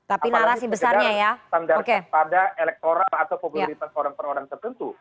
apalagi sekedar standar pada elektoral atau popularitas orang per orang tertentu